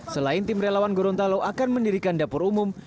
selain tim relawan gorontalo akan mendirikan dapur umum